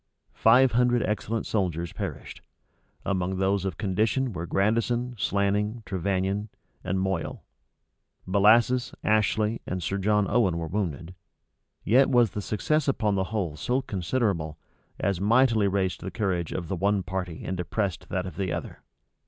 Five hundred excellent soldiers perished. Among those of condition were Grandison, Slanning, Trevannion, and Moyle; Bellasis, Ashley, and Sir John Owen were wounded; yet was the success upon the whole so considerable, as mightily raised the courage of the one party and depressed that of the other.